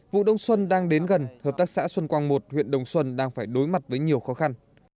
vụ đông xuân đang đến gần hợp tác xã xuân quang một huyện đồng xuân đang phải đối mặt với nhiều khó khăn